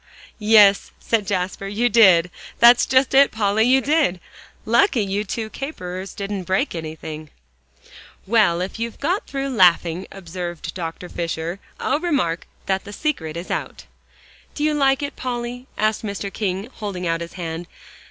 "Yes," said Jasper, "you did. That's just it, Polly, you did. Lucky you two caperers didn't break anything." "Well, if you've got through laughing," observed Dr. Fisher, "I'll remark that the secret is out." "Do you like it, Polly?" asked Mr. King, holding out his hand.